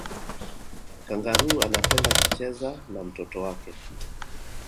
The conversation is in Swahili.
kangaroo anapenda kucheza na mtoto wake